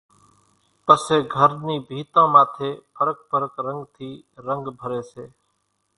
پسي گھر نِي ڀينتان ماٿي ڦرق ڦرق رنڳ ٿي رنڳ ڀري سي